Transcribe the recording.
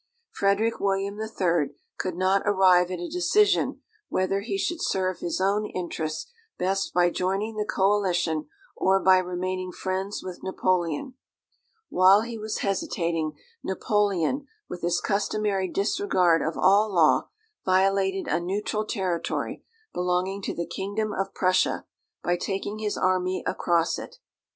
Frederick William III could not arrive at a decision whether he should serve his own interests best by joining the coalition or by remaining friends with Napoleon. While he was hesitating, Napoleon, with his customary disregard of all law, violated a neutral territory, belonging to the Kingdom of Prussia, by taking his army across it.